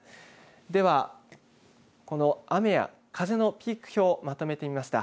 では、この雨や風のピーク表まとめてみました。